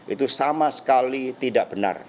itu sama sekali tidak benar